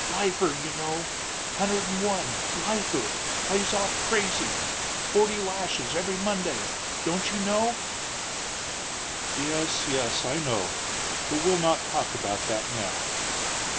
"Lifer, you know. Hunder'd'n One lifer plays off crazy forty lashes every Monday. Don't you know?" "Yes, yes, I know; but we'll not talk about that now."